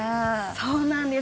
そうなんです。